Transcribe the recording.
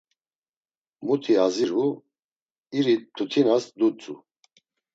Muti aziru, iri mtutinas dutzu.